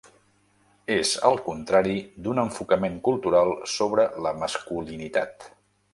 És el contrari d'un enfocament cultural sobre la masculinitat.